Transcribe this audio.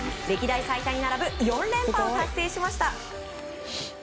歴代最多に並ぶ４連覇を達成しました。